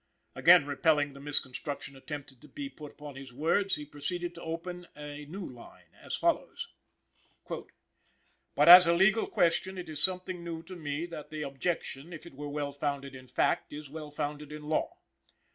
Again repelling the misconstruction attempted to be put upon his words, he proceeded to open a new line as follows: "But, as a legal question, it is something new to me that the objection, if it was well founded in fact is well founded in law.